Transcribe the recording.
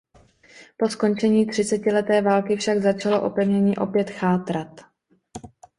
Po skončení třicetileté války však začalo opevnění opět chátrat.